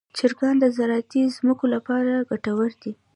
چرګان د زراعتي ځمکو لپاره ګټور دي.